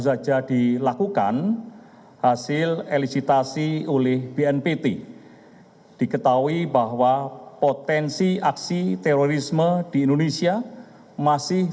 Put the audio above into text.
saja dilakukan hasil elisistasi oleh bnpt diketahui bahwa potensi aksi terorisme di indonesia masih